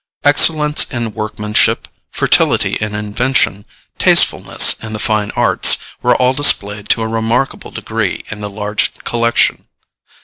Excellence in workmanship, fertility in invention, tastefulness in the fine arts, were all displayed to a remarkable degree in the large collection.